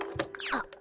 あっ。